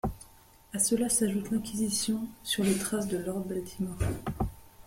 À cela s'ajoute l'inquisition, sur les traces de Lord Baltimore…